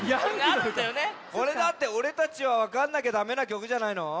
これだっておれたちはわかんなきゃダメな曲じゃないの？